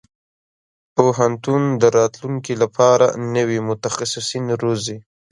پوهنتون د راتلونکي لپاره نوي متخصصين روزي.